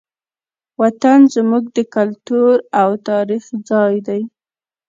وطن زموږ د کلتور او تاریخ ځای دی.